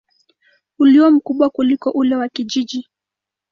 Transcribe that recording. ulio mkubwa kuliko ule wa kijiji.